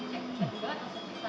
jadi kita tidak dapat nyatakan